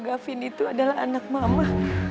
gavin itu adalah anak mama